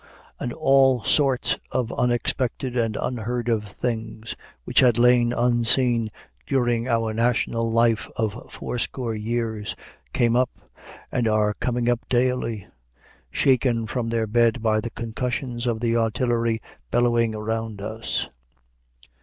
And all sorts of unexpected and unheard of things, which had lain unseen during our national life of fourscore years, came up and are coming up daily, shaken from their bed by the concussions of the artillery bellowing around us.